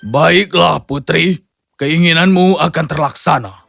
baiklah putri keinginanmu akan terlaksana